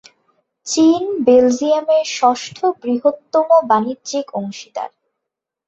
চীন, বেলজিয়ামের ষষ্ঠ বৃহত্তম বাণিজ্যিক অংশীদার।